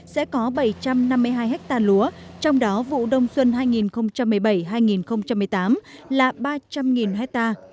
sẽ có bảy trăm năm mươi hai ha lúa trong đó vụ đông xuân hai nghìn một mươi bảy hai nghìn một mươi tám là ba trăm linh ha